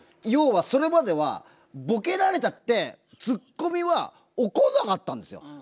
要はそれまではボケられたってツッコミは怒んなかったんですよ。